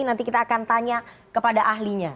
nanti kita akan tanya kepada ahlinya